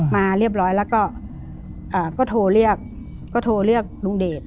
มาเรียบร้อยแล้วก็โทรเรียกก็โทรเรียกลุงเดช